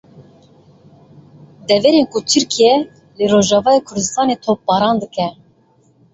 Deverên ku Tirkiye li Rojavayê Kurdistanê topbaran dike.